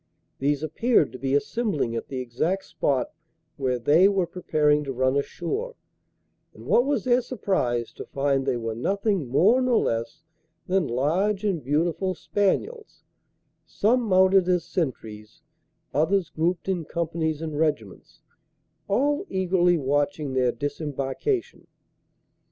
These appeared to be assembling at the exact spot where they were preparing to run ashore, and what was their surprise to find they were nothing more nor less than large and beautiful spaniels, some mounted as sentries, others grouped in companies and regiments, all eagerly watching their disembarkation.